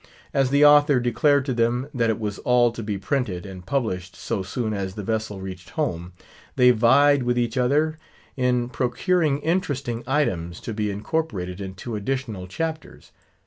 As the author declared to them that it was all to be printed and published so soon as the vessel reached home, they vied with each other in procuring interesting items, to be incorporated into additional chapters.